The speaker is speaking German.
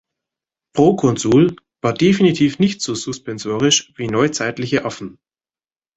„Proconsul“ war definitiv nicht so suspensorisch wie neuzeitliche Affen.